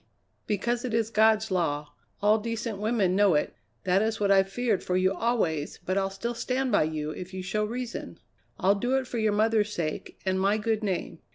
"Because it is God's law. All decent women know it. That is what I've feared for you always, but I'll still stand by you if you show reason. I'll do it for your mother's sake and my good name.